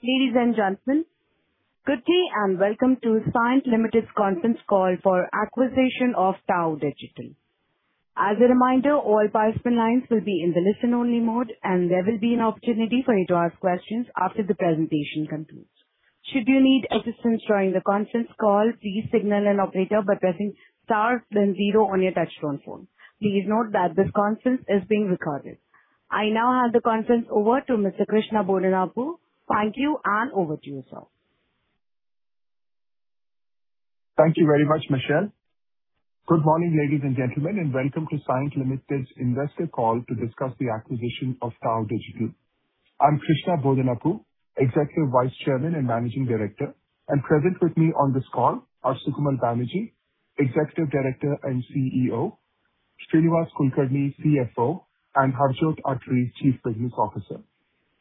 Ladies and gentlemen, good day and welcome to Cyient Limited's conference call for acquisition of TAO Digital. As a reminder all participant lines will be listen only mode, and there will be an opportunity to ask questions after the presentation. Should you need assistance during the conference call, please signal an operator by pressing star then zero on your touchtone phone, please note that this conference is being recorded. I now hand the conference over to Mr. Krishna Bodanapu. Thank you, and over to you, sir. Thank you very much, Michelle. Good morning, ladies and gentlemen, and welcome to Cyient Limited's investor call to discuss the acquisition of TAO Digital. I'm Krishna Bodanapu, Executive Vice Chairman and Managing Director, and present with me on this call are Sukamal Banerjee, Executive Director and CEO, Shrinivas Kulkarni, CFO, and Harjott Atrii, Chief Business Officer.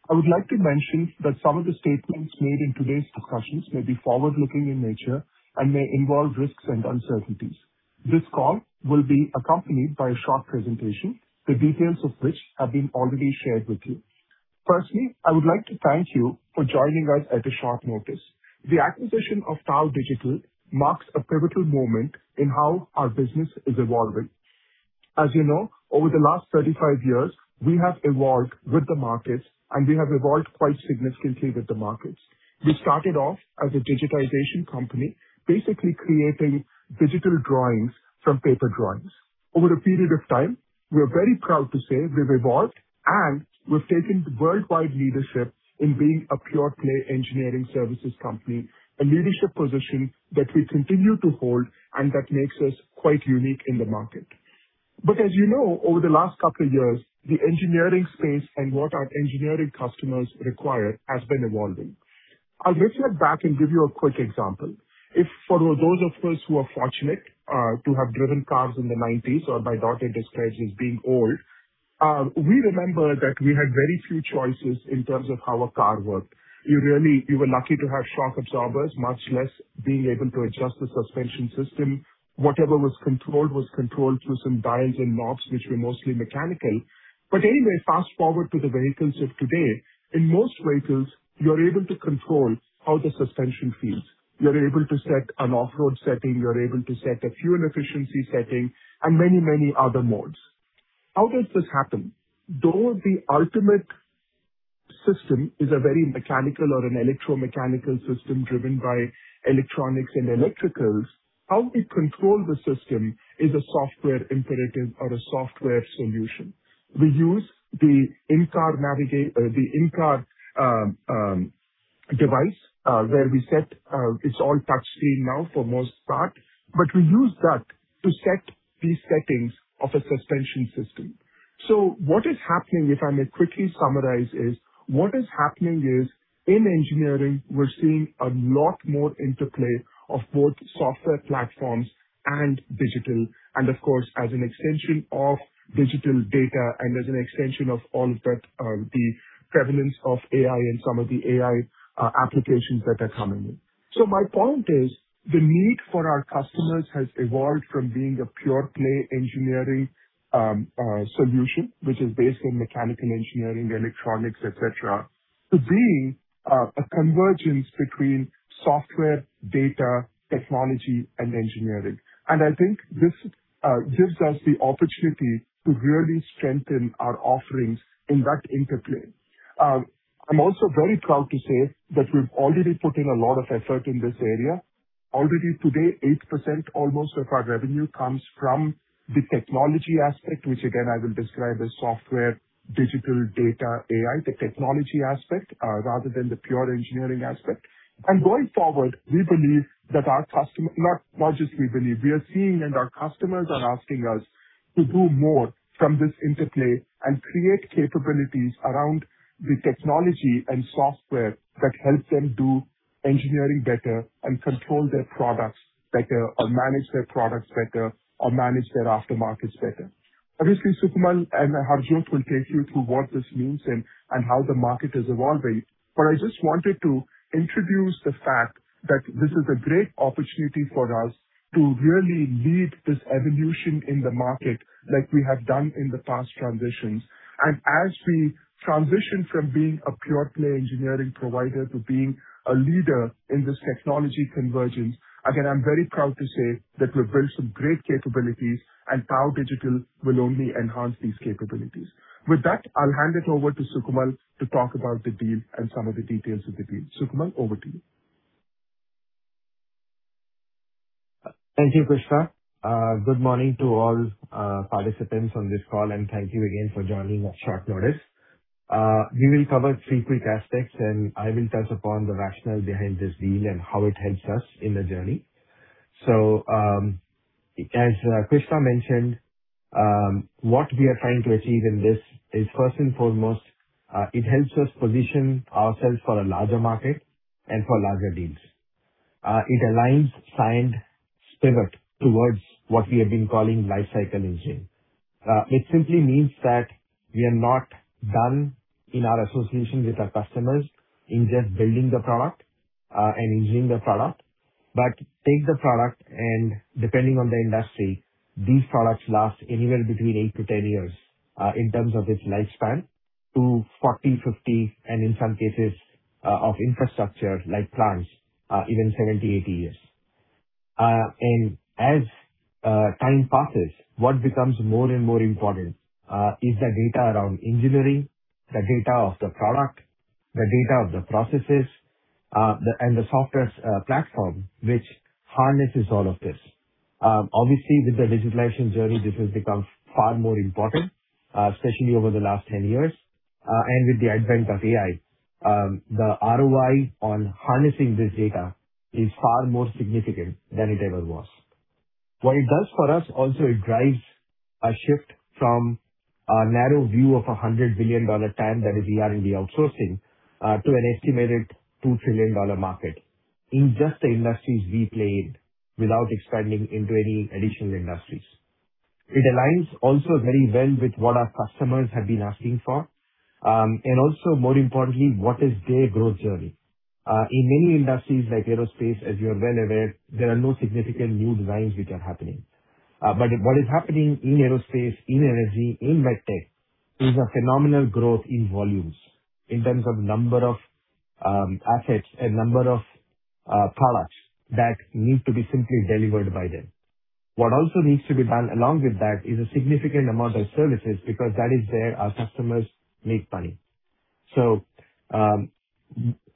I would like to mention that some of the statements made in today's discussions may be forward-looking in nature and may involve risks and uncertainties. This call will be accompanied by a short presentation, the details of which have been already shared with you. Firstly, I would like to thank you for joining us at a short notice. The acquisition of TAO Digital marks a pivotal moment in how our business is evolving. As you know, over the last 35 years, we have evolved with the markets, and we have evolved quite significantly with the markets. We started off as a digitization company, basically creating digital drawings from paper drawings. Over a period of time, we are very proud to say we've evolved, and we've taken worldwide leadership in being a pure play engineering services company, a leadership position that we continue to hold and that makes us quite unique in the market. As you know, over the last couple of years, the engineering space and what our engineering customers require has been evolving. I'll reflect back and give you a quick example. If for those of us who are fortunate to have driven cars in the '90s, or my daughter describes as being old, we remember that we had very few choices in terms of how a car worked. You were lucky to have shock absorbers, much less being able to adjust the suspension system. Whatever was controlled was controlled through some dials and knobs, which were mostly mechanical. Anyway, fast-forward to the vehicles of today. In most vehicles, you're able to control how the suspension feels. You're able to set an off-road setting, you're able to set a fuel efficiency setting, and many, many other modes. How does this happen? Though the ultimate system is a very mechanical or an electromechanical system driven by electronics and electricals, how we control the system is a software imperative or a software solution. We use the in-car device where we set, it's all touchscreen now for most part, but we use that to set these settings of a suspension system. What is happening, if I may quickly summarize, is what is happening is in engineering, we're seeing a lot more interplay of both software platforms and digital, and of course, as an extension of digital data and as an extension of all of that, the prevalence of AI and some of the AI applications that are coming in. My point is the need for our customers has evolved from being a pure play engineering solution, which is based on mechanical engineering, electronics, et cetera, to being a convergence between software, data, technology, and engineering. I think this gives us the opportunity to really strengthen our offerings in that interplay. I'm also very proud to say that we've already put in a lot of effort in this area. Already today, 8% almost of our revenue comes from the technology aspect, which again, I will describe as software, digital data, AI, the technology aspect, rather than the pure engineering aspect. Going forward, we believe that not just we believe. We are seeing and our customers are asking us to do more from this interplay and create capabilities around the technology and software that helps them do engineering better and control their products better or manage their products better or manage their aftermarkets better. Obviously, Sukamal and Harjott will take you through what this means and how the market is evolving. I just wanted to introduce the fact that this is a great opportunity for us to really lead this evolution in the market like we have done in the past transitions. As we transition from being a pure play engineering provider to being a leader in this technology convergence, again, I'm very proud to say that we've built some great capabilities, and TAO Digital will only enhance these capabilities. With that, I'll hand it over to Sukamal to talk about the deal and some of the details of the deal. Sukamal, over to you. Thank you, Krishna. Good morning to all participants on this call. Thank you again for joining at short notice. We will cover three quick aspects. I will touch upon the rationale behind this deal and how it helps us in the journey. As Krishna mentioned, what we are trying to achieve in this is first and foremost, it helps us position ourselves for a larger market and for larger deals. It aligns Cyient's pivot towards what we have been calling lifecycle engine. It simply means that we are not done in our association with our customers in just building the product and engineering the product. Take the product and depending on the industry, these products last anywhere between 8-10 years, in terms of its lifespan, to 40, 50, and in some cases, of infrastructure like plants, even 70-80 years. As time passes, what becomes more and more important is the data around engineering, the data of the product, the data of the processes, and the software platform, which harnesses all of this. Obviously, with the digitalization journey, this has become far more important, especially over the last 10 years. With the advent of AI, the ROI on harnessing this data is far more significant than it ever was. What it does for us also, it drives a shift from a narrow view of $100 billion TAM that we are in the outsourcing, to an estimated $2 trillion market in just the industries we play in without expanding into any additional industries. It aligns also very well with what our customers have been asking for, and also, more importantly, what is their growth journey. In many industries, like aerospace, as you are well aware, there are no significant new designs which are happening. What is happening in aerospace, in energy, in med tech, is a phenomenal growth in volumes in terms of number of assets and number of products that need to be simply delivered by them. What also needs to be done along with that is a significant amount of services, because that is where our customers make money.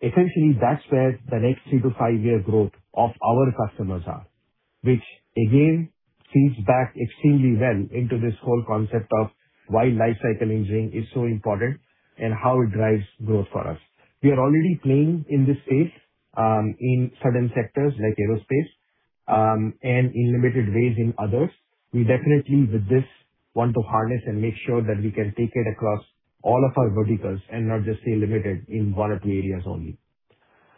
Essentially that's where the next three to five-year growth of our customers are, which again feeds back extremely well into this whole concept of why lifecycle engineering is so important and how it drives growth for us. We are already playing in this space, in certain sectors like aerospace, and in limited ways in others. We definitely, with this, want to harness and make sure that we can take it across all of our verticals and not just say limited in one or two areas only.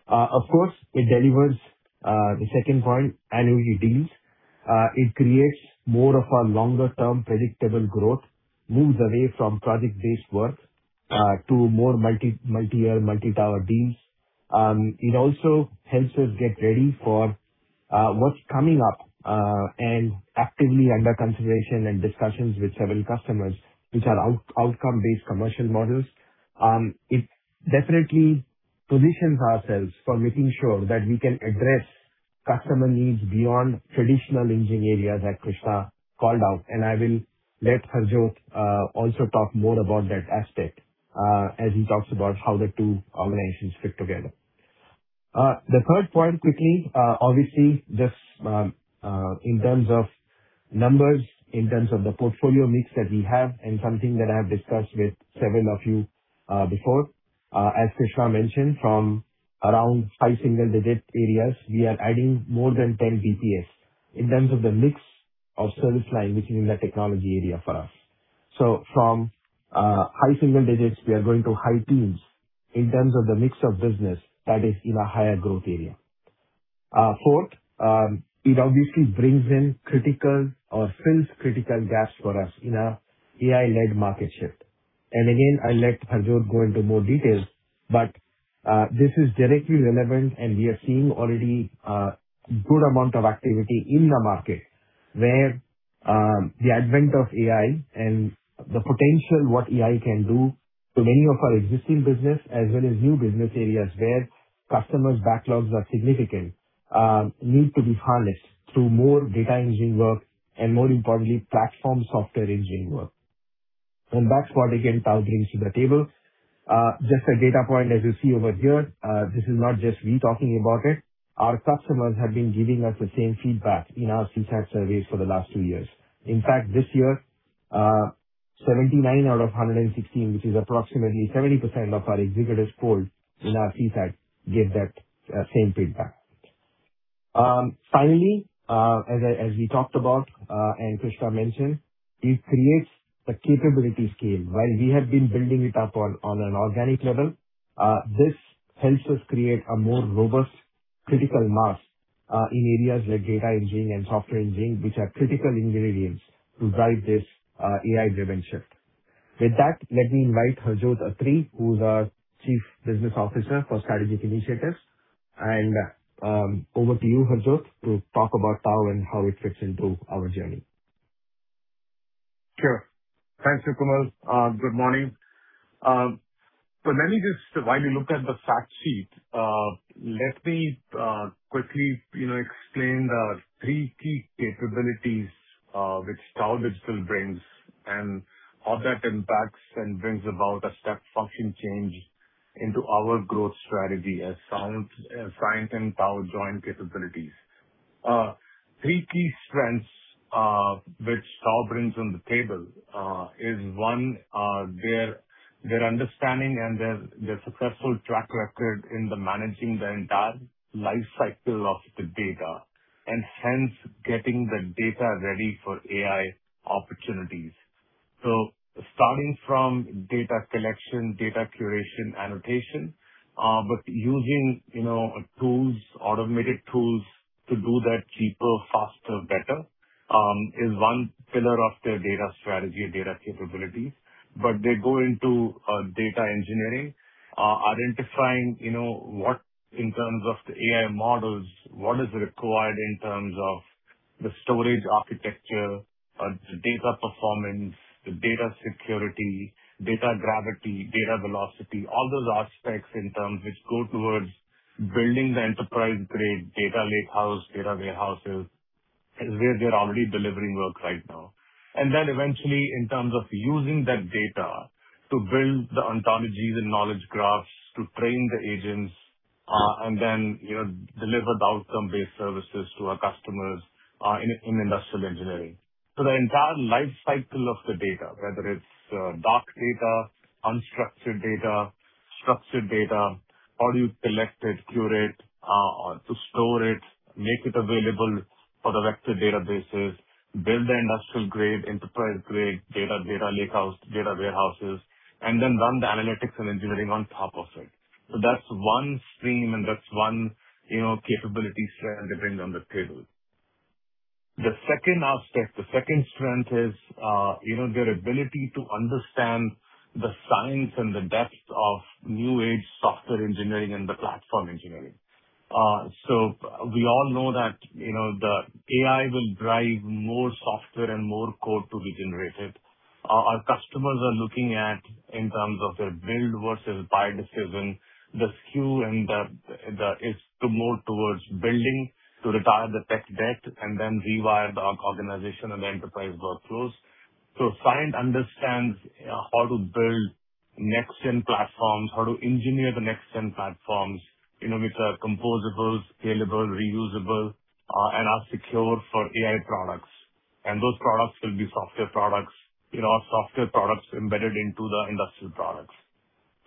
Of course, it delivers the second point, annuity deals. It creates more of a longer-term predictable growth, moves away from project-based work to more multi-year, multi-tower deals. It also helps us get ready for what's coming up, and actively under consideration and discussions with several customers, which are outcome-based commercial models. It definitely positions ourselves for making sure that we can address customer needs beyond traditional engineering areas that Krishna called out, and I will let Harjott also talk more about that aspect, as he talks about how the two organizations fit together. The third point quickly, obviously just in terms of numbers, in terms of the portfolio mix that we have and something that I have discussed with several of you before. As Krishna mentioned, from around high single-digit areas, we are adding more than 10 basis points in terms of the mix of service line within the technology area for us. From high single digits, we are going to high teens in terms of the mix of business that is in a higher growth area. Fourth, it obviously brings in critical or fills critical gaps for us in an AI-led market shift. Again, I'll let Harjott go into more details, but this is directly relevant and we are seeing already a good amount of activity in the market where the advent of AI and the potential what AI can do to many of our existing business as well as new business areas where customers' backlogs are significant, need to be harnessed through more data engineering work and more importantly, platform software engineering work. That's what again, TAO brings to the table. Just a data point as you see over here, this is not just me talking about it. Our customers have been giving us the same feedback in our CSAT surveys for the last two years. In fact, this year, 79 out of 116, which is approximately 70% of our executives polled in our CSAT, gave that same feedback. Finally, as we talked about, and Krishna mentioned, it creates a capability scale. While we have been building it up on an organic level, this helps us create a more robust critical mass, in areas like data engineering and software engineering, which are critical engineering areas to drive this AI-driven shift. With that, let me invite Harjott Atrii, who's our Chief Business Officer for Strategic Initiatives, and over to you, Harjott, to talk about TAO and how it fits into our journey. Sure. Thanks, Sukamal. Good morning. Let me just, while you look at the fact sheet, let me quickly explain the three key capabilities which TAO Digital brings and how that impacts and brings about a step function change into our growth strategy as Cyient and TAO joint capabilities. Three key strengths which TAO brings on the table, is one, their understanding and their successful track record in the managing the entire lifecycle of the data, and hence getting the data ready for AI opportunities. Starting from data collection, data curation, annotation, but using tools, automated tools to do that cheaper, faster, better. Is one pillar of their data strategy and data capability. They go into data engineering, identifying what in terms of the AI models, what is required in terms of the storage architecture, the data performance, the data security, data gravity, data velocity, all those aspects in terms which go towards building the enterprise-grade data lakehouse, data warehouses, where they're already delivering work right now. Then eventually, in terms of using that data to build the ontologies and knowledge graphs to train the agents, and then deliver the outcome-based services to our customers, in industrial engineering. The entire lifecycle of the data, whether it's dark data, unstructured data, structured data, how do you collect it, curate, to store it, make it available for the vector databases, build the industrial-grade, enterprise-grade data lakehouse, data warehouses, and then run the analytics and engineering on top of it. That's one stream and that's one capability strand they bring on the table. The second aspect, the second strand is their ability to understand the science and the depth of new age software engineering and the platform engineering. We all know that the AI will drive more software and more code to be generated. Our customers are looking at in terms of their build versus buy decision, the skew is to move towards building to retire the tech debt and then rewire the organization and the enterprise workflows. Cyient understands how to build next gen platforms, how to engineer the next gen platforms which are composable, scalable, reusable, and are secure for AI products. Those products will be software products, our software products embedded into the industrial products.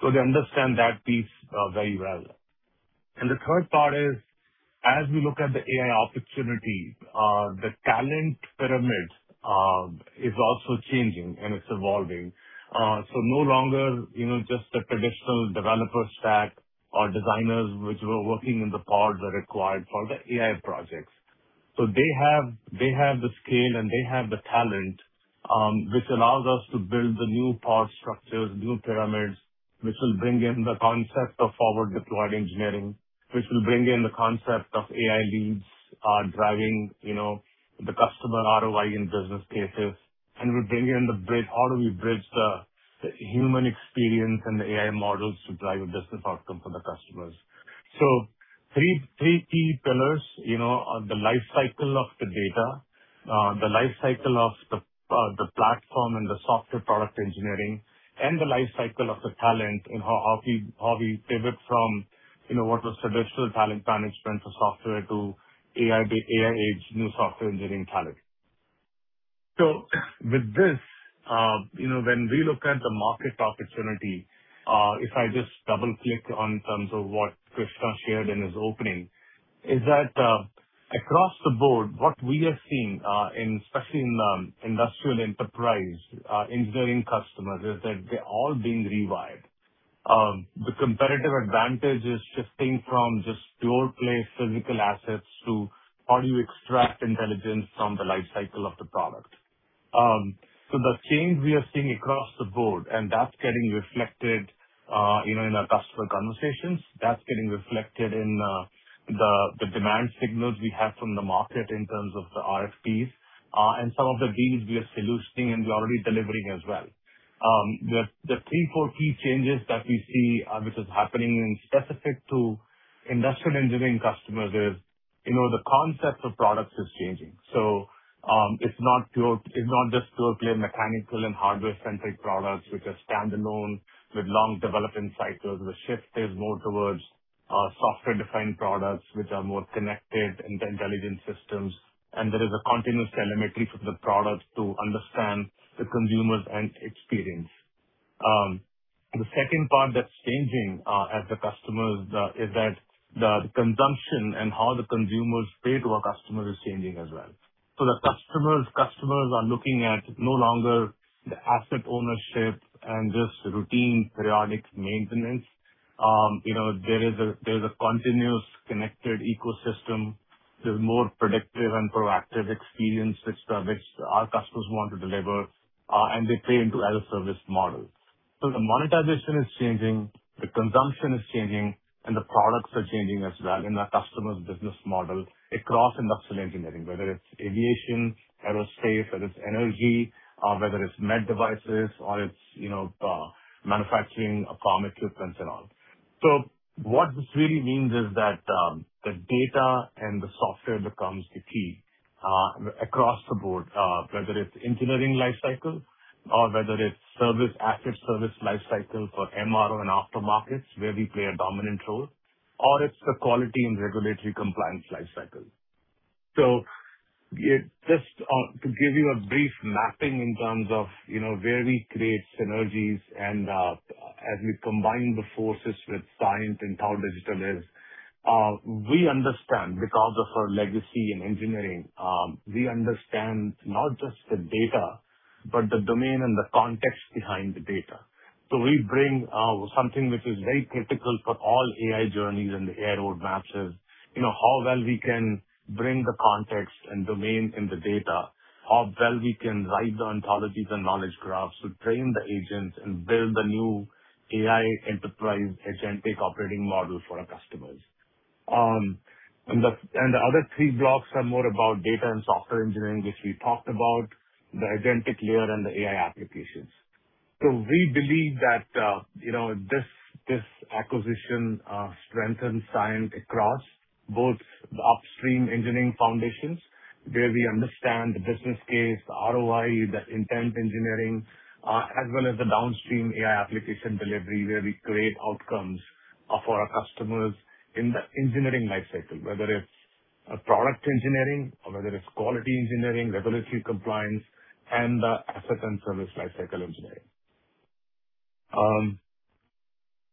They understand that piece very well. The third part is, as we look at the AI opportunity, the talent pyramid is also changing, and it's evolving. No longer just the traditional developer stack or designers which were working in the pods are required for the AI projects. They have the scale and they have the talent, which allows us to build the new pod structures, new pyramids, which will bring in the concept of forward deployed engineering, which will bring in the concept of AI leads driving the customer ROI in business cases, and will bring in how do we bridge the human experience and the AI models to drive a business outcome for the customers. Three key pillars, the life cycle of the data, the life cycle of the platform and the software product engineering, and the life cycle of the talent and how we pivot from what was traditional talent management for software to AI age, new software engineering talent. With this, when we look at the market opportunity, if I just double-click on terms of what Krishna shared in his opening, is that across the board, what we are seeing, especially in the industrial enterprise, engineering customers, is that they're all being rewired. The competitive advantage is shifting from just pure play physical assets to how do you extract intelligence from the life cycle of the product. The change we are seeing across the board, and that's getting reflected in our customer conversations, that's getting reflected in the demand signals we have from the market in terms of the RFPs, and some of the deals we are solutioning and we're already delivering as well. The three, four key changes that we see which is happening in specific to industrial engineering customers is the concept of products is changing. It's not just pure play mechanical and hardware-centric products which are standalone with long development cycles. The shift is more towards software-defined products which are more connected intelligent systems, and there is a continuous telemetry for the products to understand the consumers and experience. The second part that's changing as the customers is that the consumption and how the consumers pay to our customer is changing as well. The customers are looking at no longer the asset ownership and just routine periodic maintenance. There's a continuous connected ecosystem. There's more predictive and proactive experience which our customers want to deliver, and they pay into as-a-service model. The monetization is changing, the consumption is changing, and the products are changing as well in our customer's business model across industrial engineering, whether it's aviation, aerospace, whether it's energy, or whether it's med devices or it's manufacturing equipment and all. What this really means is that the data and the software becomes the key across the board, whether it's engineering life cycle or whether it's service, active service life cycle for MRO and aftermarkets where we play a dominant role, or it's the quality and regulatory compliance life cycle. Just to give you a brief mapping in terms of where we create synergies and as we combine the forces with Cyient and how digital is, we understand because of our legacy in engineering, we understand not just the data, but the domain and the context behind the data. We bring something which is very critical for all AI journeys and AI roadmaps is how well we can bring the context and domain in the data, how well we can write the ontologies and knowledge graphs to train the agents and build the new AI enterprise agentic operating model for our customers. The other three blocks are more about data and software engineering, which we talked about, the agentic layer and the AI applications. We believe that this acquisition strengthens Cyient across both the upstream engineering foundations, where we understand the business case, the ROI, the intent engineering, as well as the downstream AI application delivery, where we create outcomes for our customers in the engineering life cycle. Whether it's product engineering or whether it's quality engineering, regulatory compliance, and the asset and service life cycle engineering.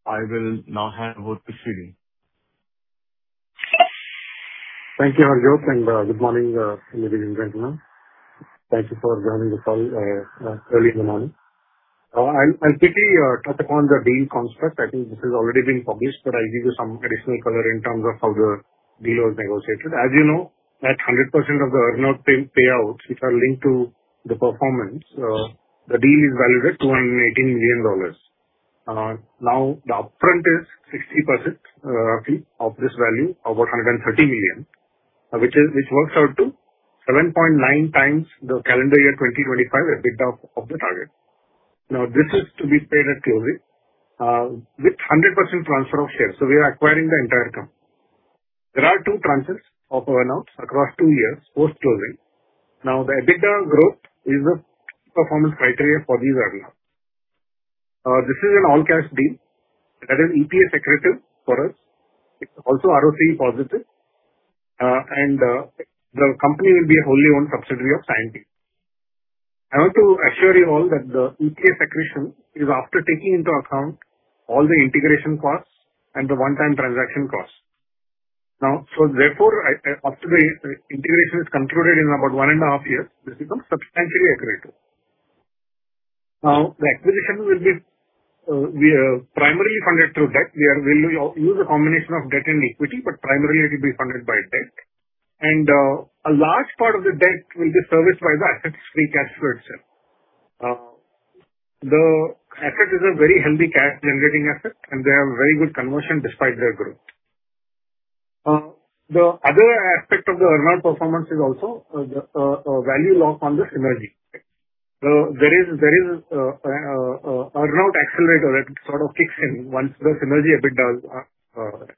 I will now hand over to Shrini. Thank you, Harjott, good morning, ladies and gentlemen. Thank you for joining the call early in the morning. I'll quickly touch upon the deal construct. I think this has already been published, I'll give you some additional color in terms of how the deal was negotiated. As you know, that 100% of the earn-out payouts, which are linked to the performance, the deal is valued at $218 million. The upfront is 60% of this value, about $130 million, which works out to 7.9x the calendar year 2025 EBITDA of the target. This is to be paid at closing with 100% transfer of shares. We are acquiring the entire company. There are two tranches of earn-outs across two years post-closing. The EBITDA growth is a performance criteria for these earn-outs. This is an all-cash deal that is EPS accretive for us. It's also ROCE positive. The company will be a wholly owned subsidiary of Cyient Inc. I want to assure you all that the EPS accretion is after taking into account all the integration costs and the one-time transaction costs. Now, so therefore, after the integration is concluded in about one and a half years, this becomes substantially accretive. Now, the acquisition will be primarily funded through debt. We will use a combination of debt and equity, but primarily it'll be funded by debt. A large part of the debt will be serviced by the assets' free cash flow itself. The asset is a very healthy cash-generating asset, and they have very good conversion despite their growth. The other aspect of the earn-out performance is also the value lock on the synergy. There is an earn-out accelerator that sort of kicks in once the synergy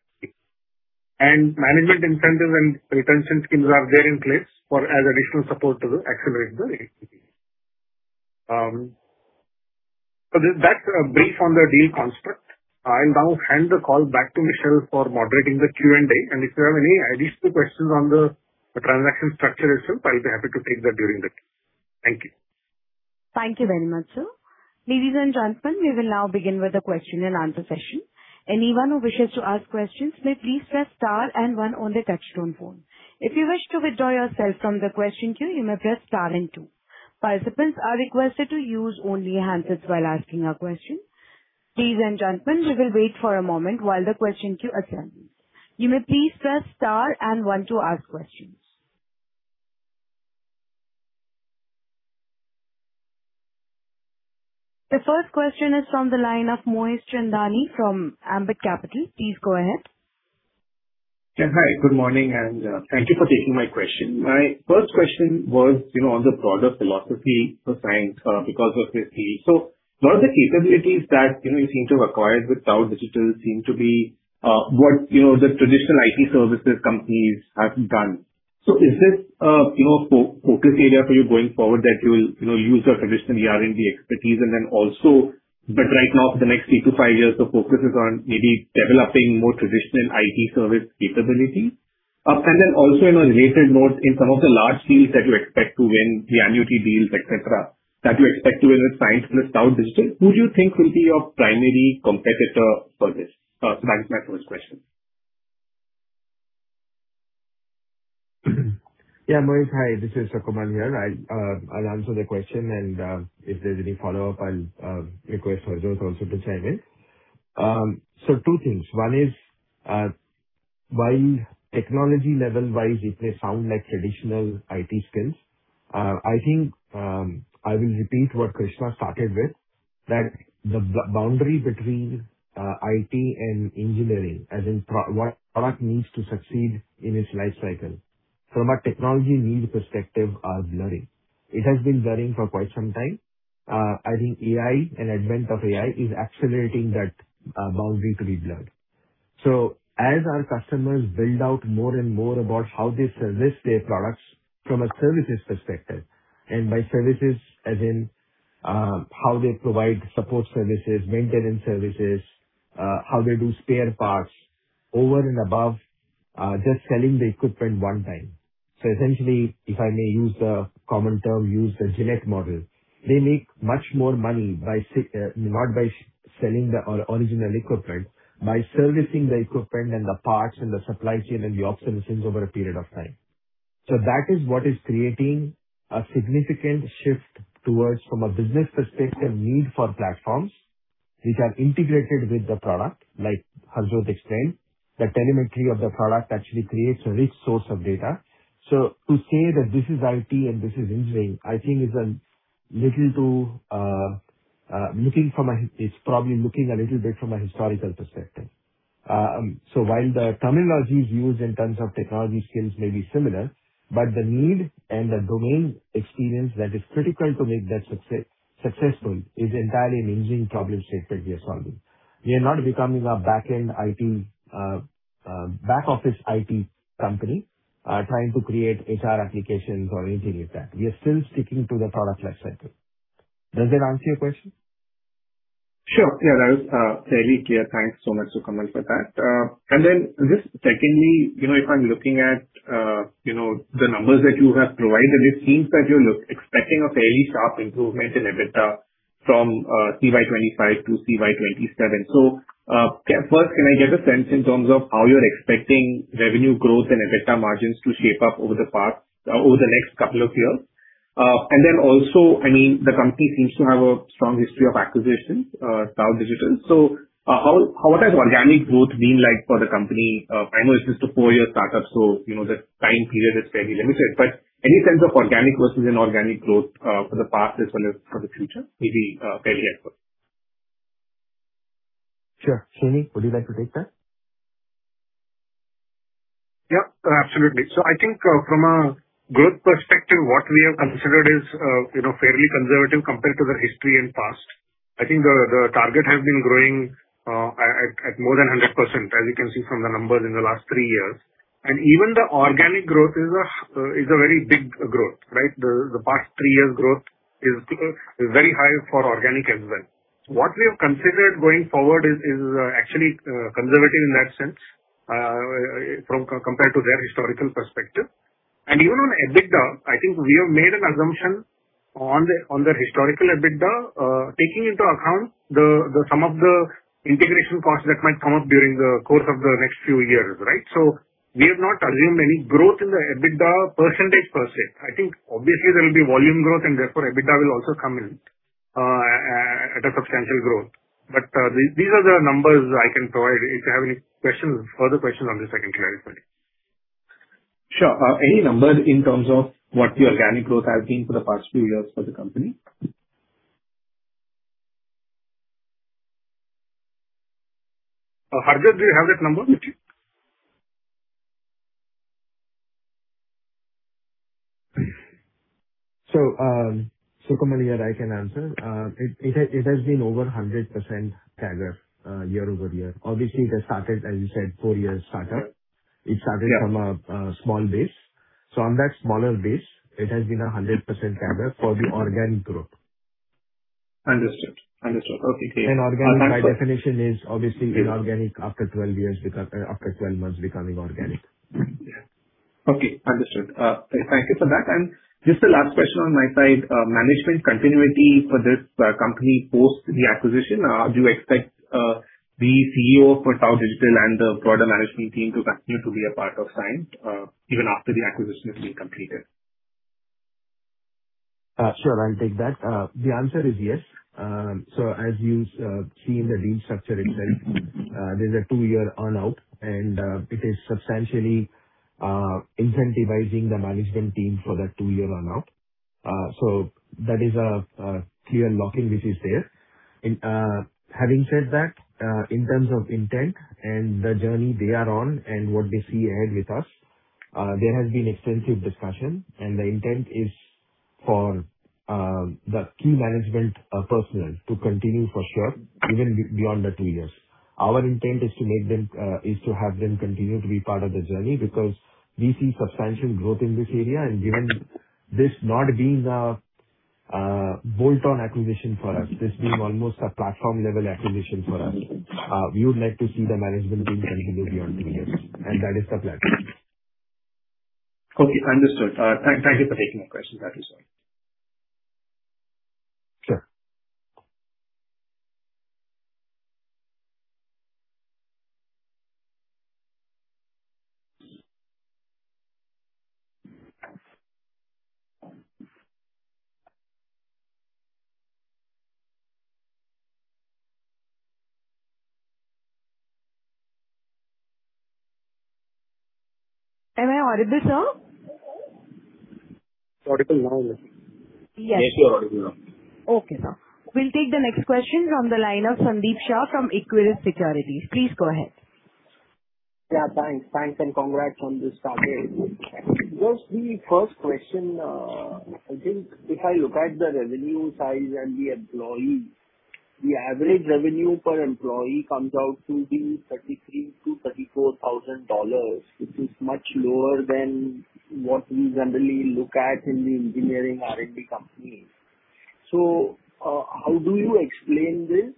EBITDA management incentive and retention schemes are there in place as additional support to accelerate the ACP. That's based on the deal construct. I'll now hand the call back to Michelle for moderating the Q&A. If you have any additional questions on the transaction structure itself, I'll be happy to take that during that. Thank you. Thank you very much, sir. Ladies and gentlemen, we will now begin with the question and answer session. Anyone who wishes to ask questions may please press star and one on their touch-tone phone. If you wish to withdraw yourself from the question queue, you may press star and two. Participants are requested to use only handsets while asking a question. Ladies and gentlemen, we will wait for a moment while the question queue assembles. You may please press star and one to ask questions. The first question is from the line of Moez Chandani from Ambit Capital. Please go ahead. Yeah, hi. Good morning, and thank you for taking my question. My first question was on the product philosophy for Cyient because of this deal. One of the capabilities that you seem to have acquired with TAO Digital seem to be what the traditional IT services companies have done. Is this a focus area for you going forward that you will use the traditional R&D expertise But right now, for the next three to five years, the focus is on maybe developing more traditional IT service capability? In a related note, in some of the large deals that you expect to win, the annuity deals, et cetera, that you expect to win as Cyient plus TAO Digital, who do you think will be your primary competitor for this? That is my first question. Yeah, Moez. Hi, this is Sukamal here. I'll answer the question and if there's any follow-up, I'll request Harjott also to chime in. Two things. One is, while technology level wise it may sound like traditional IT skills, I think, I will repeat what Krishna started with, that the boundary between IT and engineering, as in what product needs to succeed in its life cycle from a technology needs perspective are blurring. It has been blurring for quite some time. I think AI and advent of AI is accelerating that boundary to be blurred. As our customers build out more and more about how they service their products from a services perspective, and by services as in how they provide support services, maintenance services, how they do spare parts over and above just selling the equipment one time. Essentially, if I may use the common term used, the Gillette model. They make much more money not by selling the original equipment, by servicing the equipment and the parts and the supply chain and the after-sales over a period of time. That is what is creating a significant shift towards, from a business perspective, need for platforms which are integrated with the product, like Harjott explained. The telemetry of the product actually creates a rich source of data. To say that this is IT and this is engineering, I think is probably looking a little bit from a historical perspective. While the terminologies used in terms of technology skills may be similar, but the need and the domain experience that is critical to make that successful is entirely an engineering problem statement we are solving. We are not becoming a back-office IT company, trying to create HR applications or anything like that. We are still sticking to the product lifecycle. Does that answer your question? Sure. Yeah, that was fairly clear. Thanks so much, Sukamal, for that. Then just secondly, if I'm looking at the numbers that you have provided, it seems that you're expecting a fairly sharp improvement in EBITDA from CY 2025 to CY 2027. First, can I get a sense in terms of how you're expecting revenue growth and EBITDA margins to shape up over the next couple of years? Then also, the company seems to have a strong history of acquisitions, TAO Digital. What does organic growth mean for the company? I know it's just a four-year startup, so the time period is fairly limited, but any sense of organic versus inorganic growth for the past as well as for the future may be fairly helpful. Sure. Shrini, would you like to take that? Absolutely. I think from a growth perspective, what we have considered is fairly conservative compared to their history and past. I think the target has been growing at more than 100%, as you can see from the numbers in the last three years. Even the organic growth is a very big growth, right? The past three years' growth is very high for organic as well. What we have considered going forward is actually conservative in that sense, compared to their historical perspective. Even on EBITDA, I think we have made an assumption on the historical EBITDA, taking into account some of the integration costs that might come up during the course of the next few years, right? We have not assumed any growth in the EBITDA percentage per se. I think obviously there will be volume growth and therefore EBITDA will also come in at a substantial growth. These are the numbers I can provide. If you have any further questions on this, I can clarify. Sure. Any numbers in terms of what the organic growth has been for the past few years for the company? Harjott, do you have that number with you? Sukamal here, I can answer. It has been over 100% CAGR, year-over-year. Obviously, it has started, as you said, four years startup. Yeah. It started from a small base. On that smaller base, it has been 100% CAGR for the organic growth. Understood. Okay, clear. Organic, by definition, is obviously inorganic after 12 months becoming organic. Yeah. Okay. Understood. Thank you for that. Just the last question on my side, management continuity for this company post the acquisition. Do you expect the CEO for TAO Digital and the product management team to continue to be a part of Cyient, even after the acquisition has been completed? Sure. I'll take that. The answer is yes. As you see in the deal structure itself, there's a two-year earn-out, and it is substantially incentivizing the management team for that two-year earn-out. That is a clear lock-in which is there. Having said that, in terms of intent and the journey they are on and what they see ahead with us, there has been extensive discussion, and the intent is for the key management personnel to continue for sure, even beyond the two years. Our intent is to have them continue to be part of the journey because we see substantial growth in this area. Given this not being a bolt-on acquisition for us, this being almost a platform-level acquisition for us, we would like to see the management team continue beyond two years, and that is the plan. Okay, understood. Thank you for taking the question. Thank you, sir. Sure. Am I audible, sir? Audible now, yes. Yes. Maybe you're audible now. Okay, sir. We'll take the next question from the line of Sandeep Shah from Equirus Securities. Please go ahead. Yeah, thanks. Thanks and congrats on this target. Just the first question. I think if I look at the revenue size and the employee, the average revenue per employee comes out to be $33,000-$34,000, which is much lower than what we generally look at in the engineering R&D companies. How do you explain this?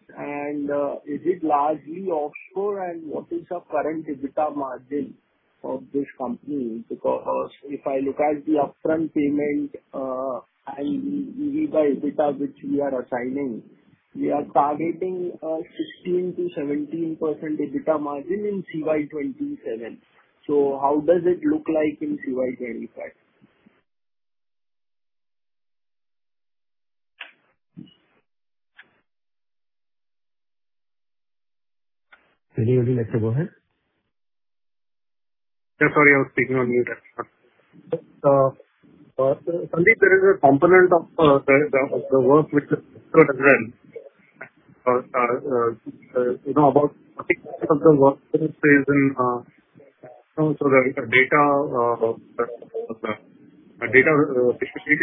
Is it largely offshore? What is your current EBITDA margin for this company? If I look at the upfront payment and the EBITDA we are targeting a 16%-17% EBITDA margin in CY 2027. How does it look like in CY 2025? Anybody like to go ahead? Yeah, sorry, I was speaking on mute actually. Sandeep, there is a component of the work which is in.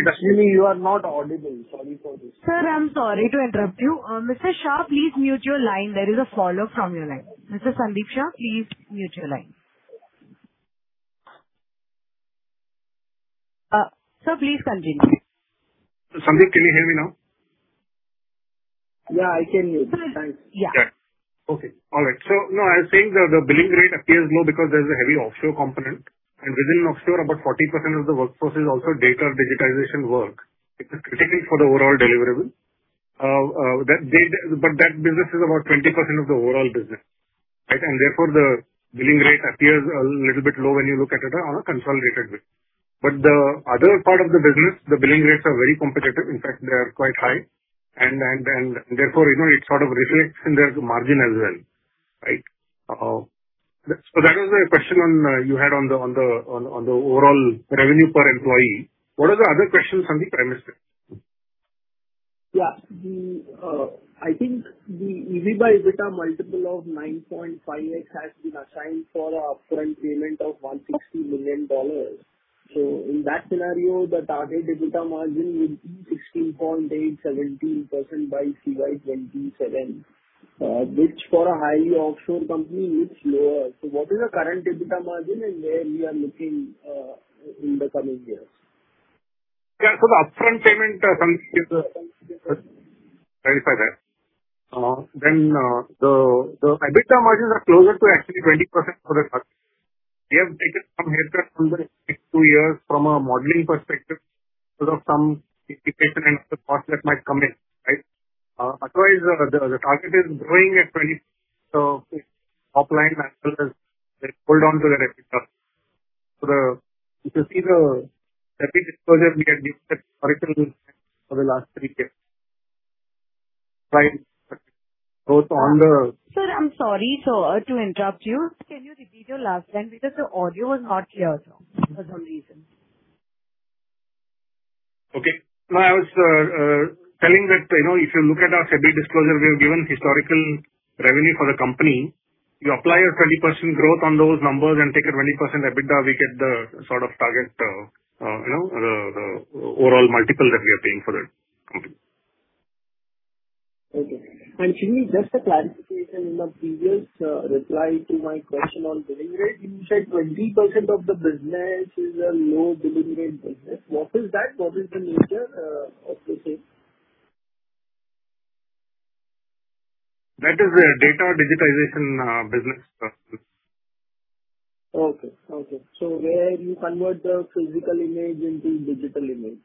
Shrini, you are not audible. Sorry for this. Sir, I'm sorry to interrupt you. Mr. Shah, please mute your line. There is feedback from your line. Mr. Sandeep Shah, please mute your line. Sir, please continue. Sandeep, can you hear me now? Yeah, I can hear you. Thanks. Yeah. Yeah. Okay. All right. No, I was saying the billing rate appears low because there's a heavy offshore component. within offshore, about 40% of the workforce is also data digitization work. It is critical for the overall deliverable. that business is about 20% of the overall business. therefore, the billing rate appears a little bit low when you look at it on a consolidated basis. the other part of the business, the billing rates are very competitive. In fact, they are quite high and therefore, it sort of reflects in the margin as well. that was the question you had on the overall revenue per employee. What are the other questions, Sandeep, I missed? Yeah. I think the EBITDA multiple of 9.5x has been assigned for a upfront payment of $160 million. In that scenario, the target EBITDA margin will be 16.87% by CY 2027, which for a highly offshore company is lower. What is the current EBITDA margin and where we are looking in the coming years? Yeah. The upfront payment, Sandeep, clarify that. The EBITDA margins are closer to actually 20% for the. We have taken some haircut on the next two years from a modeling perspective because of some depreciation and other costs that might come in. Otherwise, the target is growing at 20 as well as pull down to that EBITDA. If you see the SE disclosure, we had given historical for the last three years. On the- Sir, I'm sorry to interrupt you. Can you repeat your last line because the audio was not clear for some reason? Okay. No, I was saying that if you look at our SE disclosure, we have given historical revenue for the company. You apply a 20% growth on those numbers and take a 20% EBITDA, we get the sort of target, the overall multiple that we are paying for that company. Okay. Shrini, just a clarification in the previous reply to my question on billing rate, you said 20% of the business is a low billing rate business. What is that? What is the nature of the same? That is a data digitization business process. Okay, where you convert the physical image into digital image.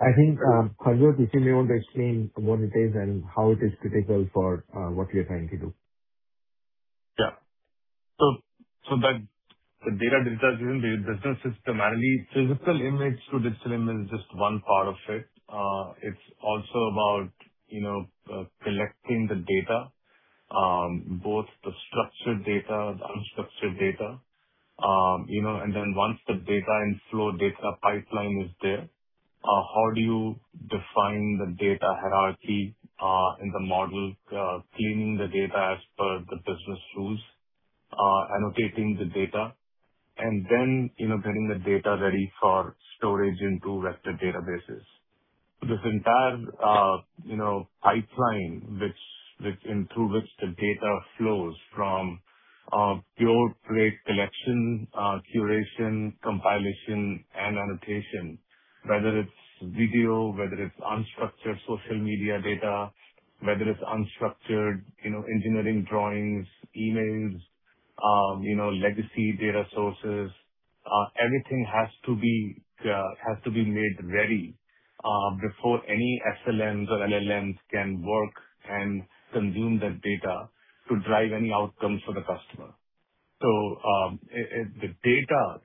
I think Harjott, you may want to explain what it is and how it is critical for what we are trying to do. Yeah. The data digitization business is primarily physical image to digital image is just one part of it. It's also about collecting the data, both the structured data, the unstructured data. Once the data and flow data pipeline is there, how do you define the data hierarchy in the model, cleaning the data as per the business rules, annotating the data, and then getting the data ready for storage into vector databases. This entire pipeline through which the data flows from pure create collection, curation, compilation, and annotation, whether it's video, whether it's unstructured social media data, whether it's unstructured engineering drawings, emails, legacy data sources, everything has to be made ready before any SLMs or LLMs can work and consume that data to drive any outcomes for the customer.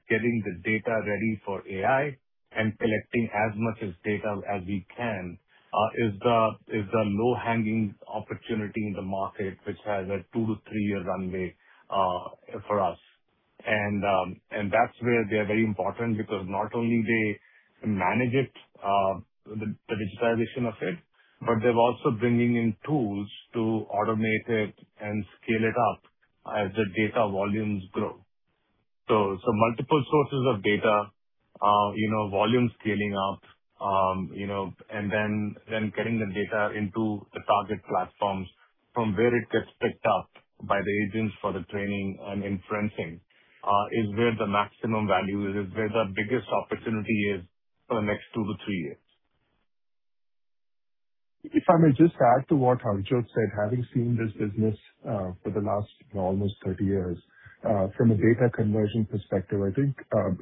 Getting the data ready for AI and collecting as much as data as we can is the low-hanging opportunity in the market, which has a two to three-year runway for us. That's where they are very important because not only they manage it, the digitalization of it, but they're also bringing in tools to automate it and scale it up as the data volumes grow. Multiple sources of data, volume scaling up, and then getting the data into the target platforms from where it gets picked up by the agents for the training and inferencing is where the maximum value is where the biggest opportunity is for the next two to three years. If I may just add to what Harjott said, having seen this business for the last almost 30 years, from a data conversion perspective, I think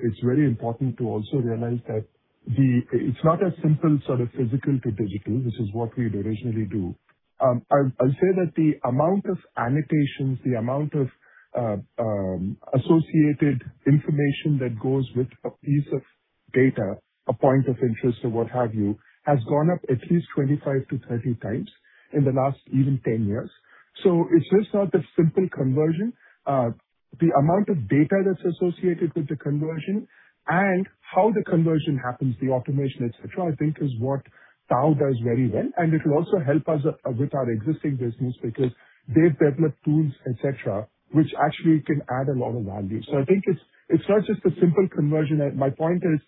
it's very important to also realize that it's not a simple physical to digital. This is what we'd originally do. I'll say that the amount of annotations, the amount of associated information that goes with a piece of data, a point of interest, or what have you, has gone up at least 25x to 30x in the last even 10 years. It's just not a simple conversion. The amount of data that's associated with the conversion and how the conversion happens, the automation, et cetera, I think is what TAO does very well. It will also help us with our existing business because they've developed tools, et cetera, which actually can add a lot of value. I think it's not just a simple conversion. My point is,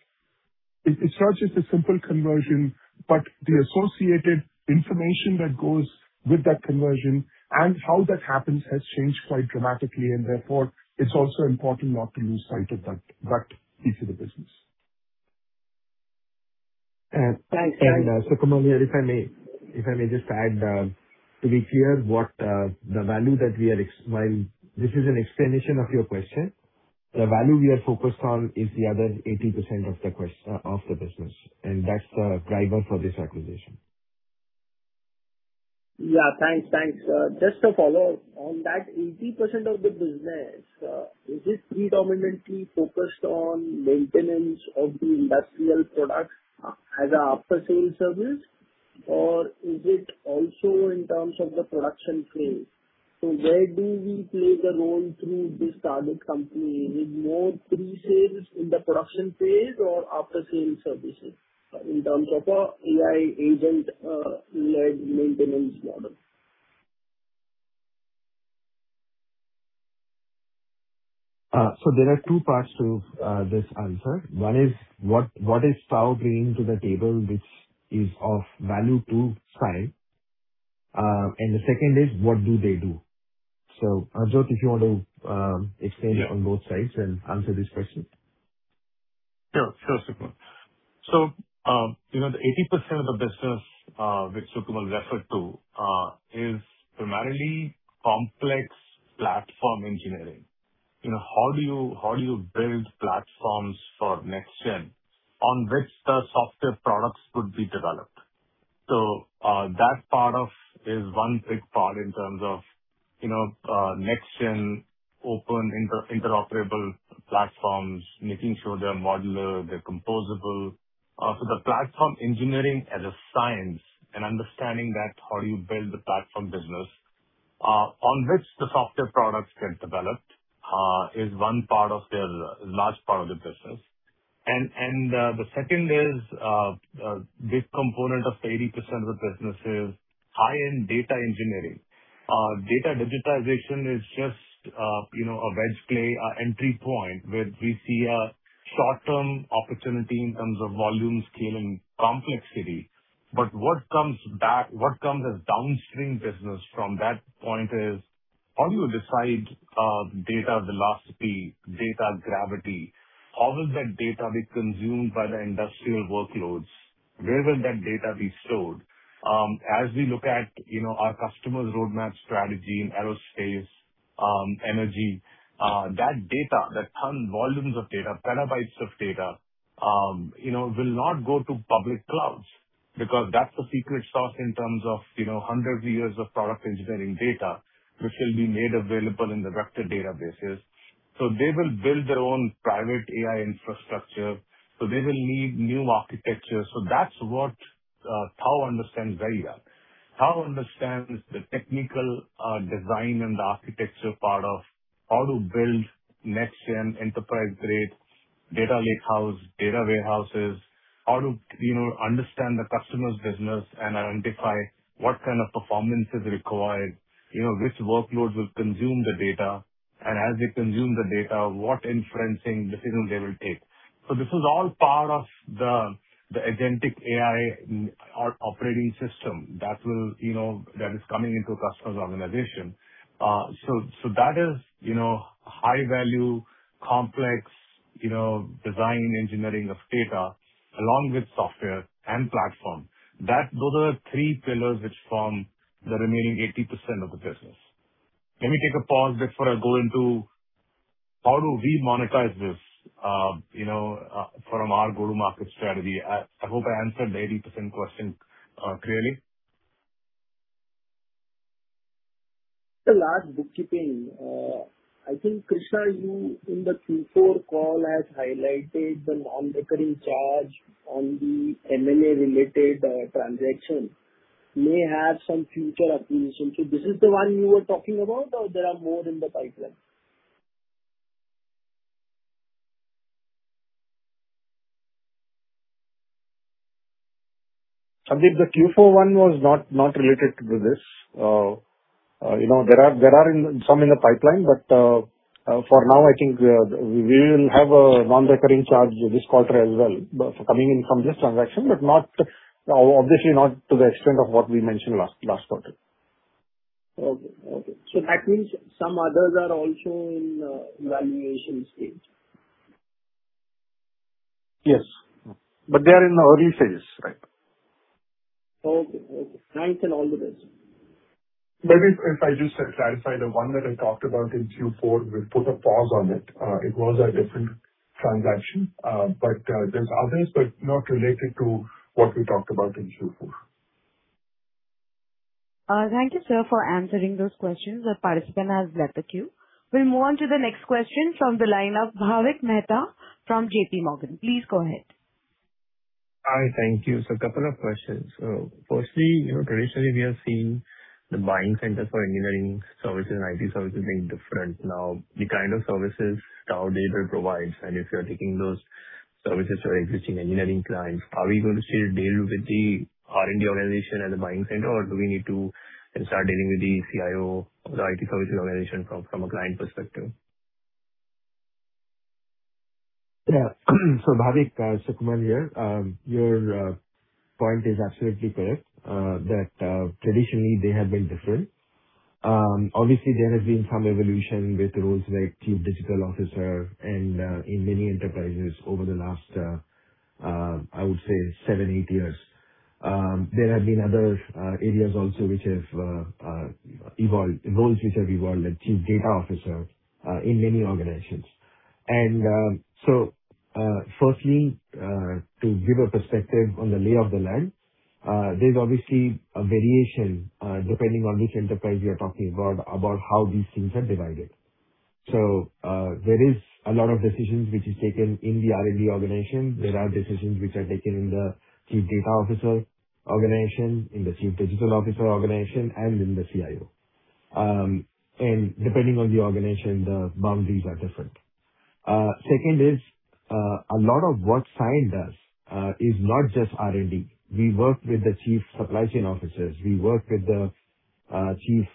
it's not just a simple conversion, but the associated information that goes with that conversion and how that happens has changed quite dramatically, and therefore it's also important not to lose sight of that piece of the business. Thanks. Sukamal here, if I may just add, to be clear, while this is an explanation of your question, the value we are focused on is the other 80% of the business, and that's the driver for this acquisition. Yeah. Thanks. Just a follow-up. On that 80% of the business, is it predominantly focused on maintenance of the industrial products as an after-sale service, or is it also in terms of the production phase? Where do we play the role through this target company? Is it more pre-sales in the production phase or after-sale services in terms of an AI agent-led maintenance model? There are two parts to this answer. One is, what does TAO bring to the table which is of value to Cyient? The second is, what do they do? Harjott, if you want to explain it on both sides and answer this question. Sure, Sukamal. The 80% of the business which Sukamal referred to is primarily complex platform engineering. How do you build platforms for next-gen on which the software products could be developed? That part is one big part in terms of next-gen open interoperable platforms, making sure they're modular, they're composable. The platform engineering as a science and understanding that how do you build the platform business on which the software products get developed is one large part of the business. The second is, this component of the 80% of the business is high-end data engineering. Data digitization is just a wedge play, an entry point where we see a short-term opportunity in terms of volume scaling complexity. What comes as downstream business from that point is, how do you decide data velocity, data gravity? How will that data be consumed by the industrial workloads? Where will that data be stored? As we look at our customers' roadmap strategy in aerospace, energy, that data, that ton volumes of data, petabytes of data, will not go to public clouds because that's the secret sauce in terms of hundreds of years of product engineering data, which will be made available in the vector databases. They will build their own private AI infrastructure. They will need new architecture. That's what TAO understands very well. TAO understands the technical design and the architecture part of how to build next-gen enterprise-grade data lakehouse, data warehouses, how to understand the customer's business and identify what kind of performance is required, which workloads will consume the data, and as they consume the data, what inferencing decisions they will take. This is all part of the agentic AI operating system that is coming into a customer's organization. That is high-value, complex design engineering of data along with software and platform. Those are the three pillars which form the remaining 80% of the business. Let me take a pause before I go into how do we monetize this from our go-to-market strategy. I hope I answered the 80% question clearly. The last bookkeeping, I think Krishna, you in the Q4 call has highlighted the non-recurring charge on the M&A-related transaction may have some future acquisition. This is the one you were talking about, or there are more in the pipeline? Sandeep, the Q4 one was not related to this. There are some in the pipeline, for now, I think we will have a non-recurring charge this quarter as well coming in from this transaction, but obviously not to the extent of what we mentioned last quarter. Okay. That means some others are also in evaluation stage? Yes. They are in the early stages right now. Okay. Thanks, and all the best. Maybe if I just clarify the one that I talked about in Q4, we've put a pause on it. It was a different transaction. There's others, but not related to what we talked about in Q4. Thank you, sir, for answering those questions. The participant has left the queue. We'll move on to the next question from the line of Bhavik Mehta from JPMorgan. Please go ahead. Hi. Thank you. A couple of questions. Firstly, traditionally we have seen the buying center for engineering services and IT services being different. Now, the kind of services TAO Digital provides, and if you're taking those services for existing engineering clients, are we going to still deal with the R&D organization and the buying center, or do we need to start dealing with the CIO or the IT services organization from a client perspective? Yeah. Bhavik, Sukamal here. Your point is absolutely correct, that traditionally they have been different. Obviously, there has been some evolution with roles like chief digital officer and in many enterprises over the last, I would say seven, eight years. There have been other areas also which have evolved, roles which have evolved, like chief data officer, in many organizations. Firstly, to give a perspective on the lay of the land, there's obviously a variation depending on which enterprise we are talking about how these things are divided. There is a lot of decisions which is taken in the R&D organization. There are decisions which are taken in the chief data officer organization, in the chief digital officer organization, and in the CIO. Depending on the organization, the boundaries are different. Second is, a lot of what Cyient does is not just R&D. We work with the Chief Supply Chain Officers. We work with the Chief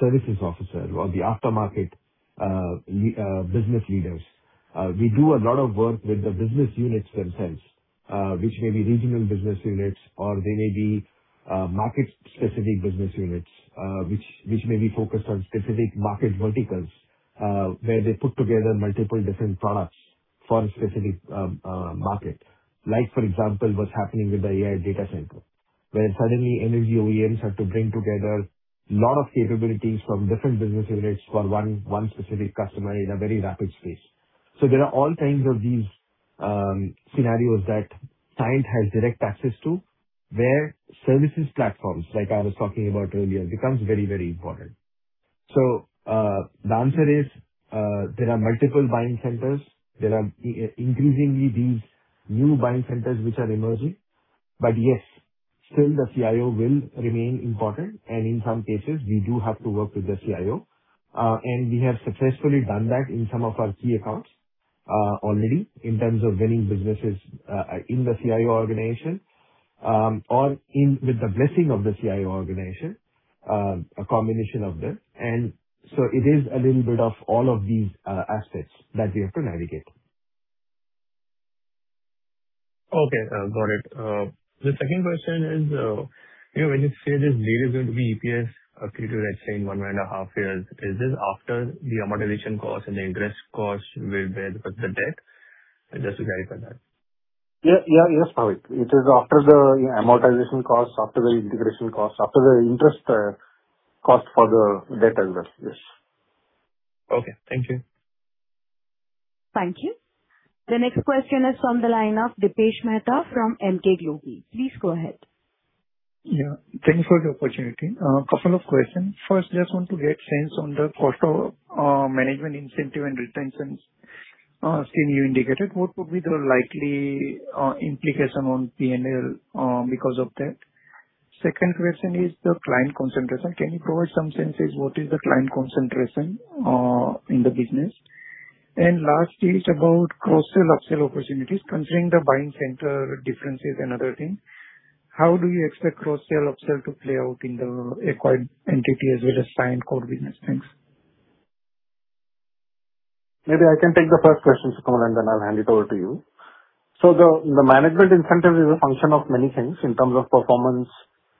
Services Officer or the aftermarket business leaders. We do a lot of work with the business units themselves, which may be regional business units or they may be market-specific business units, which may be focused on specific market verticals, where they put together multiple different products for a specific market. Like for example, what's happening with the AI data center, where suddenly energy OEMs have to bring together a lot of capabilities from different business units for one specific customer in a very rapid space. There are all kinds of these scenarios that Cyient has direct access to, where services platforms, like I was talking about earlier, becomes very important. The answer is, there are multiple buying centers. There are increasingly these new buying centers which are emerging. Yes, still the CIO will remain important, and in some cases, we do have to work with the CIO. We have successfully done that in some of our key accounts already in terms of winning businesses in the CIO organization or with the blessing of the CIO organization, a combination of them. It is a little bit of all of these aspects that we have to navigate. Okay. Got it. The second question is, when you say this deal is going to be EPS accretive, let's say in one and a half years, is this after the amortization cost and the interest cost with the debt? Just to verify that. Yeah. Yes, Bhavik. It is after the amortization cost, after the integration cost, after the interest cost for the debt as well. Yes. Okay. Thank you. Thank you. The next question is from the line of Dipesh Mehta from Emkay Global. Please go ahead. Yeah. Thank you for the opportunity. A couple of questions. First, just want to get a sense on the cost of management incentive and retentions. Since you indicated, what would be the likely implication on P&L because of that? Second question is the client concentration. Can you provide some sense what is the client concentration in the business? Lastly, it's about cross-sell, upsell opportunities concerning the buying center differences and other thing. How do you expect cross-sell, upsell to play out in the acquired entity as well as Cyient core business? Thanks. Maybe I can take the first question, Sukamal, and then I'll hand it over to you. The management incentive is a function of many things in terms of performance,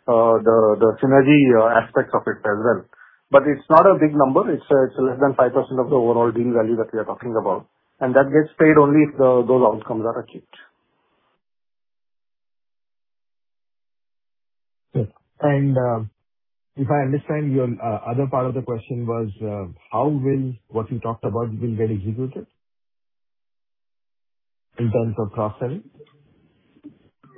the synergy aspects of it as well. It's not a big number. It's less than five percent of the overall deal value that we are talking about. That gets paid only if those outcomes are achieved. Sure. If I understand, your other part of the question was, how will what we talked about will get executed in terms of cross-selling?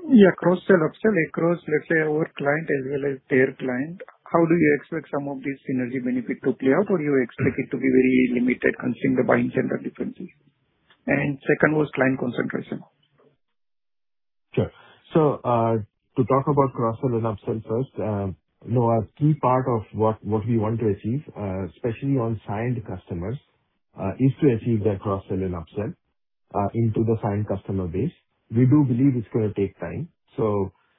Yeah, cross-sell, upsell across, let's say, our client as well as their client. How do you expect some of these synergy benefit to play out, or you expect it to be very limited considering the buying center differences? Second was client concentration. Sure. To talk about cross-sell and upsell first, a key part of what we want to achieve, especially on Cyient customers, is to achieve that cross-sell and upsell into the Cyient customer base. We do believe it's going to take time.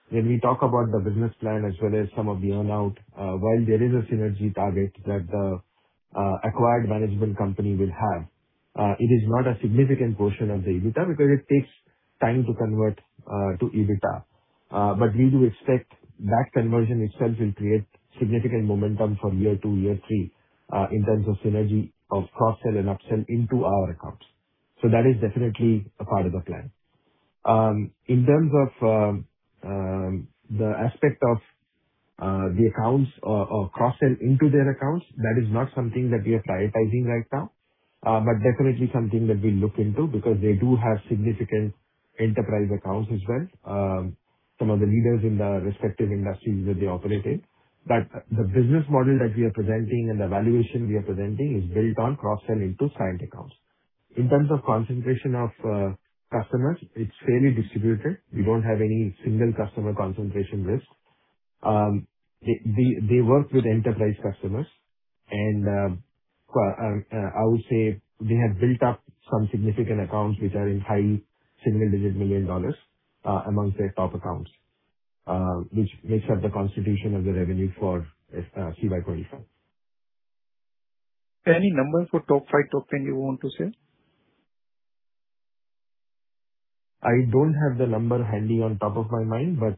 When we talk about the business plan as well as some of the earn-out, while there is a synergy target that the acquired management company will have, it is not a significant portion of the EBITDA because it takes time to convert to EBITDA. But we do expect that conversion itself will create significant momentum from year two, year three in terms of synergy of cross-sell and upsell into our accounts. That is definitely a part of the plan. In terms of the aspect of the accounts or cross-sell into their accounts, that is not something that we are prioritizing right now. Definitely something that we'll look into, because they do have significant enterprise accounts as well. Some of the leaders in the respective industries that they operate in. The business model that we are presenting and the valuation we are presenting is built on cross-sell into Cyient accounts. In terms of concentration of customers, it's fairly distributed. We don't have any single customer concentration risk. They work with enterprise customers and I would say they have built up some significant accounts which are in high, single-digit million INR amongst their top accounts, which makes up the constitution of the revenue for CY 2025. Any numbers for top five, top 10 you want to share? I don't have the number handy on top of my mind, but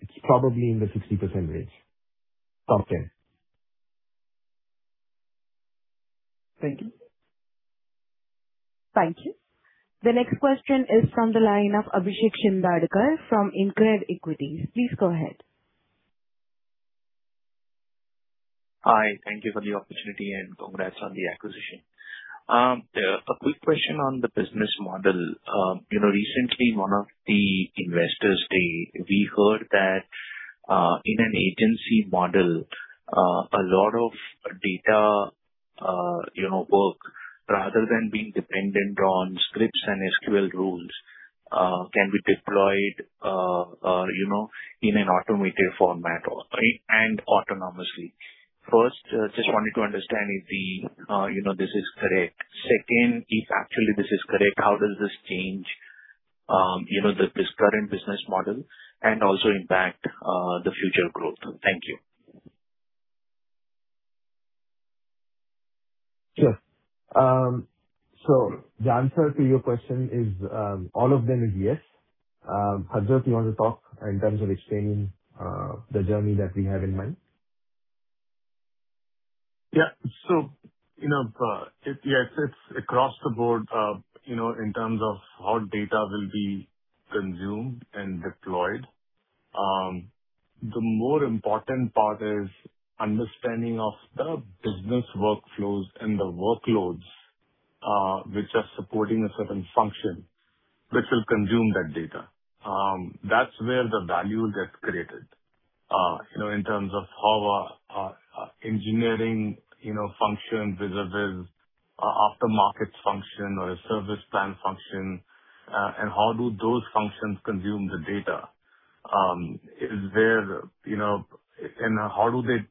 it's probably in the 60% range. Top 10. Thank you. Thank you. The next question is from the line of Abhishek Shindadkar from InCred Equities. Please go ahead. Hi. Thank you for the opportunity. Congrats on the acquisition. A quick question on the business model. Recently, one of the investors, we heard that in an agency model, a lot of data work, rather than being dependent on scripts and SQL rules, can be deployed in an automated format and autonomously. First, just wanted to understand if this is correct. Second, if actually this is correct, how does this change this current business model and also impact the future growth? Thank you. Sure. The answer to your question is all of them is yes. Harjott, you want to talk in terms of explaining the journey that we have in mind? Yeah. Yes, it's across the board in terms of how data will be consumed and deployed. The more important part is understanding of the business workflows and the workloads, which are supporting a certain function, which will consume that data. That's where the value gets created. In terms of how engineering functions vis-a-vis a aftermarket function or a service plan function, how do those functions consume the data. How do they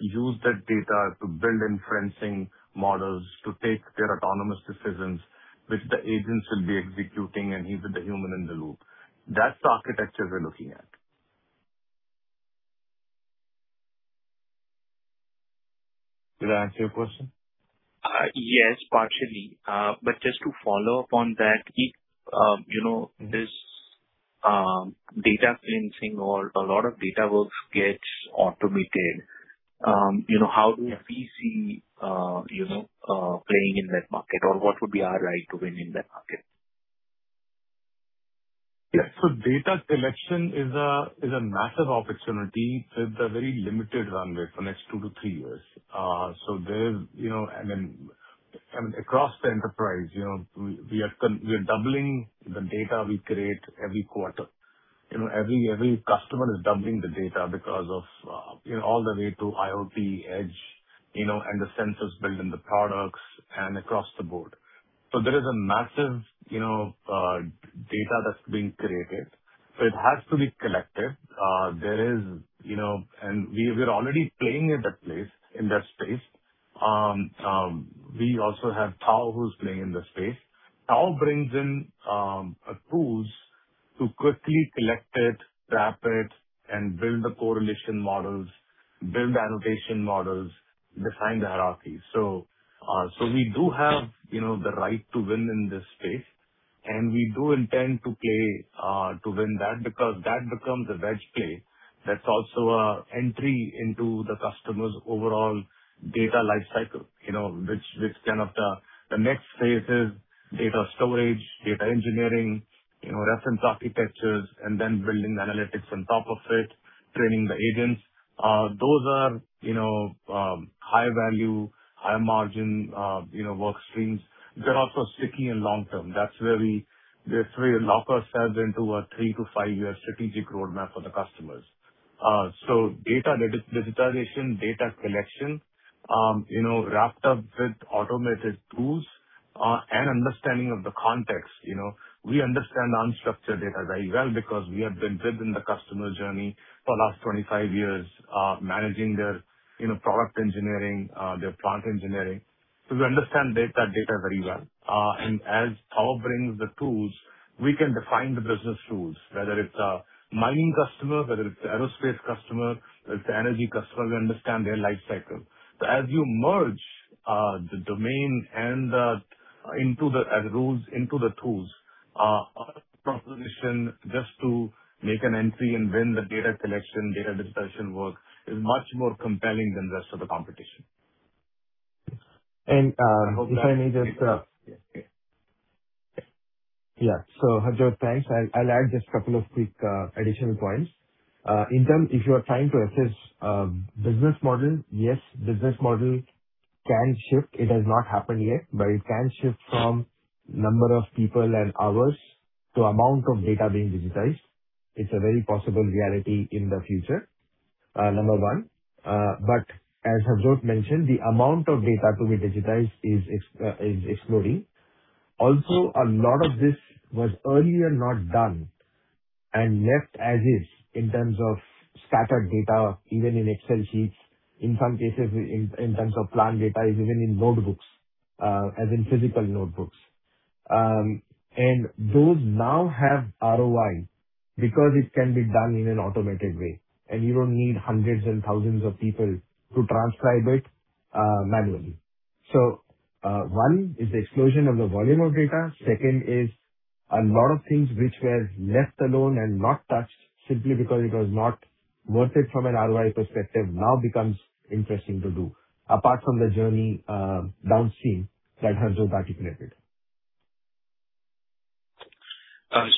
use that data to build inferencing models to take their autonomous decisions, which the agents will be executing and even the human in the loop. That's the architecture we're looking at. Did I answer your question? Yes, partially. Just to follow up on that, if this data cleansing or a lot of data work gets automated, how do we see playing in that market or what would be our right to win in that market? Yeah. Data collection is a massive opportunity with a very limited runway for next two to three years. Across the enterprise, we are doubling the data we create every quarter. Every customer is doubling the data because of all the way to IoT edge, and the sensors built in the products and across the board. There is a massive data that's being created, so it has to be collected. We're already playing in that space. We also have TAO who's playing in the space. TAO brings in tools to quickly collect it, wrap it, and build the correlation models, build annotation models, define the hierarchies. We do have the right to win in this space, and we do intend to play to win that because that becomes a wedge play that's also an entry into the customer's overall data lifecycle. The next phase is data storage, data engineering, reference architectures, then building analytics on top of it, training the agents. Those are high value, high margin work streams. They are also sticky and long-term. That's where we have three and a half years into a three to five-year strategic roadmap for the customers. Data digitization, data collection, wrapped up with automated tools, and understanding of the context. We understand unstructured data very well because we have been within the customer journey for the last 25 years, managing their product engineering, their plant engineering. We understand that data very well. As TAO brings the tools, we can define the business rules, whether it's a mining customer, whether it's the aerospace customer, whether it's the energy customer, we understand their lifecycle. As you merge the domain and into the tools. Our proposition just to make an entry and win the data collection, data discussion work is much more compelling than the rest of the competition. And if I may just- Yes. Yeah. Harjott, thanks. I'll add just a couple of quick additional points. In terms, if you are trying to assess business model, yes, business model can shift. It has not happened yet, but it can shift from number of people and hours to amount of data being digitized. It's a very possible reality in the future, number one. As Harjott mentioned, the amount of data to be digitized is exploding. Also, a lot of this was earlier not done and left as is in terms of scattered data, even in Excel sheets, in some cases, in terms of plant data, is even in notebooks, as in physical notebooks. Those now have ROI because it can be done in an automated way, and you don't need hundreds and thousands of people to transcribe it manually. One is the explosion of the volume of data. Second is a lot of things which were left alone and not touched simply because it was not worth it from an ROI perspective now becomes interesting to do, apart from the journey downstream that Harjott articulated.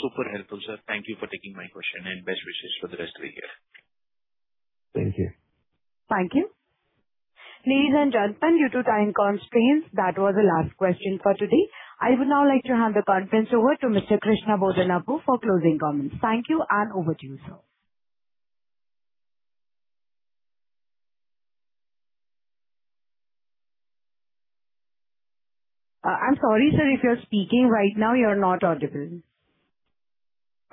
Super helpful, sir. Thank you for taking my question, and best wishes for the rest of the year. Thank you. Thank you. Ladies and gentlemen, due to time constraints, that was the last question for today. I would now like to hand the conference over to Mr. Krishna Bodanapu for closing comments. Thank you, and over to you, sir. I'm sorry, sir. If you're speaking right now, you're not audible.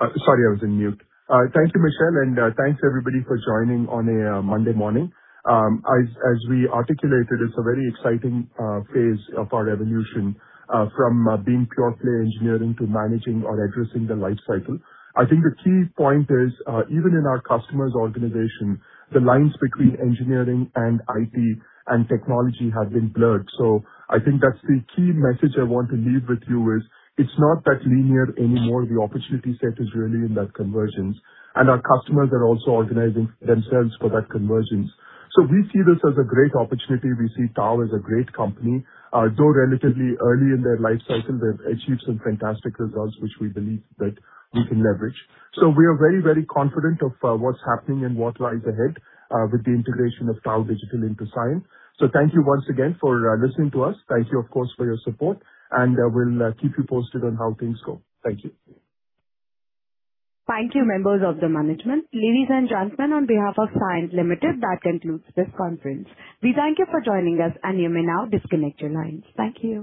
Sorry, I was in mute. Thank you, Michelle, and thanks, everybody, for joining on a Monday morning. As we articulated, it's a very exciting phase of our evolution from being pure play engineering to managing or addressing the life cycle. I think the key point is, even in our customer's organization, the lines between engineering and IT and technology have been blurred. I think that's the key message I want to leave with you is it's not that linear anymore. The opportunity set is really in that convergence, and our customers are also organizing themselves for that convergence. We see this as a great opportunity. We see TAO as a great company. Though relatively early in their life cycle, they've achieved some fantastic results, which we believe that we can leverage. We are very, very confident of what's happening and what lies ahead with the integration of TAO Digital into Cyient. Thank you once again for listening to us. Thank you, of course, for your support, and we'll keep you posted on how things go. Thank you. Thank you, members of the management. Ladies and gentlemen, on behalf of Cyient Limited, that concludes this conference. We thank you for joining us, and you may now disconnect your lines. Thank you.